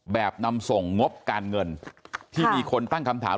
นำส่งงบการเงินที่มีคนตั้งคำถาม